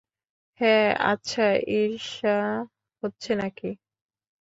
হ্যাঁ আচ্ছা, ঈর্ষা হচ্ছে নাকি?